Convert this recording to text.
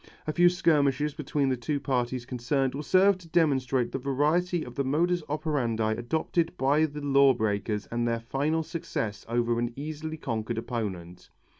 A few skirmishes between the two parties concerned will serve to demonstrate the variety of the modus operandi adopted by the law breakers and their final success over an easily conquered opponent.